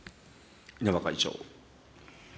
稲葉会長。